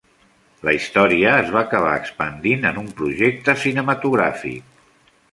La història es va acabar expandint en un projecte cinematogràfic.